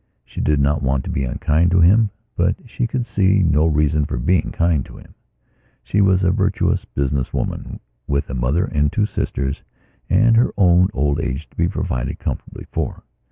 She did not want to be unkind to him; but she could see no reason for being kind to him. She was a virtuous business woman with a mother and two sisters and her own old age to be provided comfortably for.